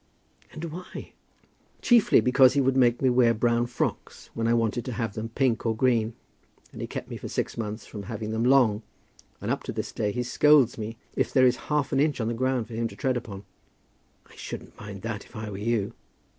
"And why?" "Chiefly because he would make me wear brown frocks when I wanted to have them pink or green. And he kept me for six months from having them long, and up to this day he scolds me if there is half an inch on the ground for him to tread upon." "I shouldn't mind that if I were you."